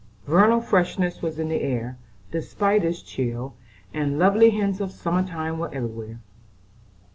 Vernal freshness was in the air despite its chill, and lovely hints of summer time were everywhere.